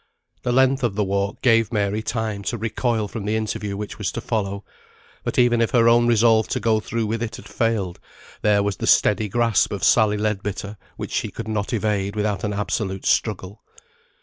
The length of the walk gave Mary time to recoil from the interview which was to follow; but even if her own resolve to go through with it had failed, there was the steady grasp of Sally Leadbitter, which she could not evade without an absolute struggle.